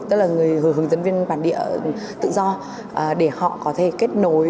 tức là người hướng dẫn viên bản địa tự do để họ có thể kết nối